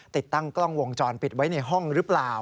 ติดตั้งกล้องวงจรปิดไว้ในห้องหรือเปล่า